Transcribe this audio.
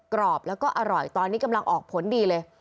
กรอบแล้วก็อร่อยตอนนี้กำลังออกผลดีเลย